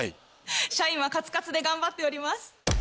社員はカツカツで頑張っております